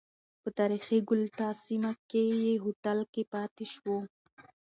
په تاریخی ګلاټا سیمه کې یې هوټل کې پاتې شو.